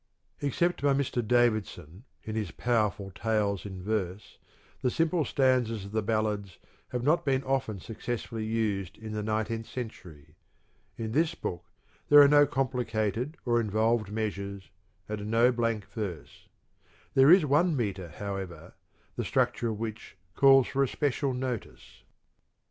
Except by Mr. Davidson in his powerful tales in verse, the simple stanzas of the ballads have not been often successfully used in the nineteenth century. In this book there are no complicated or involved measures, and no blank verse. There is one metre, however, the structure of which calls for especial notice.